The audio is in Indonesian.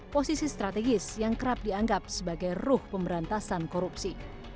posisi strategis yang kerap dianggap sebagai ruh pemberantasan korupsi